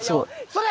それ！